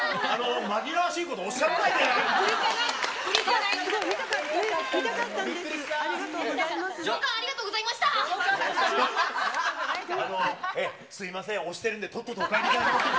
紛らわしいこと、おっしゃらないでください。